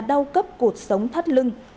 đau cấp cuộc sống thắt lưng